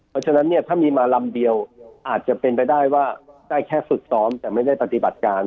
เพราะฉะนั้นเนี่ยถ้ามีมาลำเดียวอาจจะเป็นไปได้ว่าได้แค่ฝึกซ้อมแต่ไม่ได้ปฏิบัติการ